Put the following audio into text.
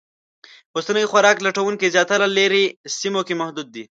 اوسني خوراک لټونکي زیاتره لرې سیمو کې محدود دي.